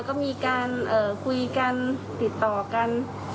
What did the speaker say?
ก็มีการคุยกันติดต่อกัน